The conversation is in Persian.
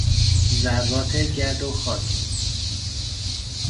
ذرات گرد و خاک